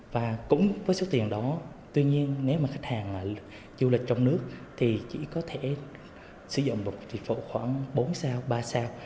và cũng với số tiền đó tuy nhiên nếu mà khách hàng mà du lịch trong nước thì chỉ có thể sử dụng dịch vụ khoảng bốn sao ba sao